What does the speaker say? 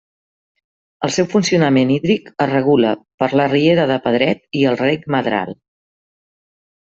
El seu funcionament hídric es regula per la riera de Pedret i el rec Madral.